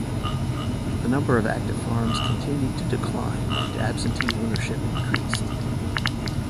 The number of active farms continued to decline, and absentee ownership increased.